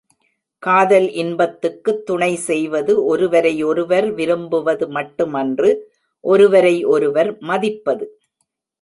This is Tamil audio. காதல் இன்பத்துக்குத் துணை செய்வது ஒருவரை ஒருவர் விரும்புவது மட்டுமன்று ஒருவரை ஒருவர் மதிப்பது.